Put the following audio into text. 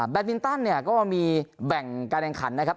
มินตันเนี่ยก็มีแบ่งการแข่งขันนะครับ